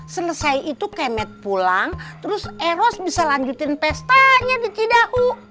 selesai itu kemet pulang terus eros bisa lanjutin pestanya di kidau